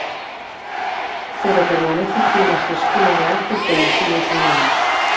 Pero permanece fiel a su Escuela de Artes donde sigue enseñando.